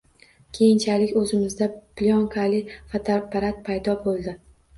Keyinchalik oʻzimizda plyonkali fotoapparat paydo boʻldi.